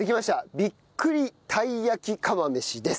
びっ栗たい焼き釜飯です。